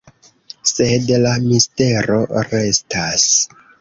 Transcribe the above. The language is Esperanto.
Sed la mistero restas.